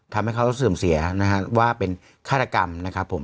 ทำให้เขาเสื่อมเสียนะฮะว่าเป็นฆาตกรรมนะครับผม